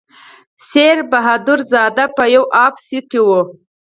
سیر بهادر زاده په یو اف سي کې و.